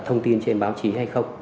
thông tin trên báo chí hay không